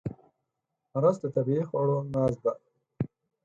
رس د طبیعي خواړو ناز ده